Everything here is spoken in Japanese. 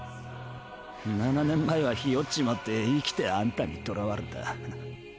７年前は日和っちまって生きてあんたに捕らわれた。